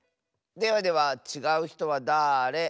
ではではちがうひとはだれ？